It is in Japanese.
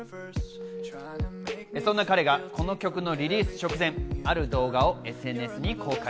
そんな彼がこの曲のリリース直前、ある動画をＳＮＳに公開。